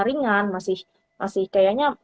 ringan masih kayaknya